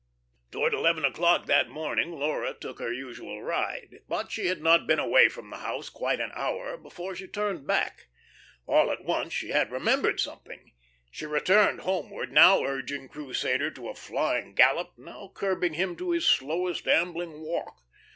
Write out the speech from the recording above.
Towards eleven o'clock that morning Laura took her usual ride, but she had not been away from the house quite an hour before she turned back. All at once she had remembered something. She returned homeward, now urging Crusader to a flying gallop, now curbing him to his slowest ambling walk.